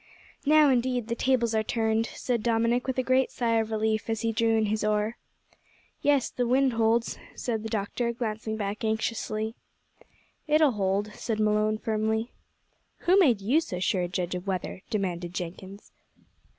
"Now, indeed, the tables are turned," said Dominick with a great sigh of relief, as he drew in his oar. "Yes; if the wind holds," said the doctor, glancing back anxiously. "It'll howld," said Malone firmly. "Who made you so sure a judge of weather?" demanded Jenkins.